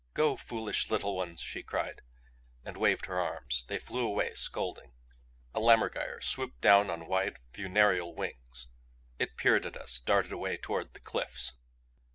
"Go foolish little ones," she cried, and waved her arms. They flew away, scolding. A lammergeier swooped down on wide funereal wings; it peered at us; darted away toward the cliffs.